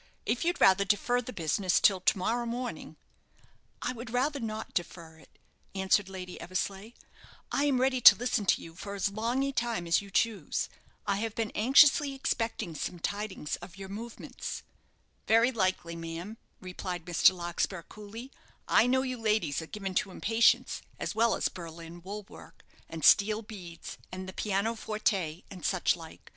If you'd rather defer the business till to morrow morning " "I would rather not defer it," answered Lady Eversleigh; "I am ready to listen to you for as long a time as you choose. I have been anxiously expecting some tidings of your movements." "Very likely, ma'am," replied Mr. Larkspur, coolly; "I know you ladies are given to impatience, as well as Berlin wool work, and steel beads, and the pianoforte, and such like.